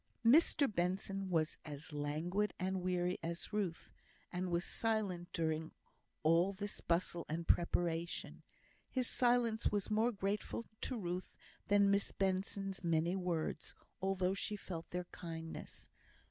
Mr Benson was as languid and weary as Ruth, and was silent during all this bustle and preparation. His silence was more grateful to Ruth than Miss Benson's many words, although she felt their kindness.